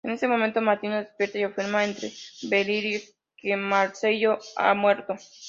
En ese momento Martino despierta y afirma entre delirios que Marcello ha muerto.